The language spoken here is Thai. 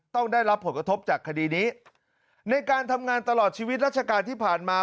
ต้องได้รับผลกระทบจากคดีนี้ในการทำงานตลอดชีวิตราชการที่ผ่านมา